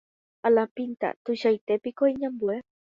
alapínta tuichaite piko iñambue